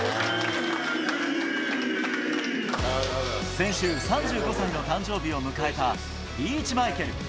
先週、３５歳の誕生日を迎えたリーチマイケル。